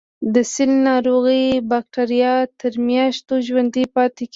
د سل ناروغۍ بکټریا تر میاشتو ژوندي پاتې کیږي.